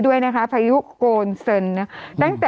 กรมป้องกันแล้วก็บรรเทาสาธารณภัยนะคะ